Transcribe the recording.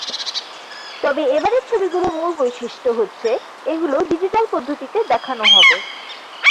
তবে এবারের ছবিগুলোর মূল বৈশিষ্ট্য হচ্ছে, এগুলো ডিজিটাল পদ্ধতিতে দেখানো হবে।